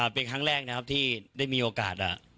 เป็นครั้งแรกนะครับที่ได้มีโอกาส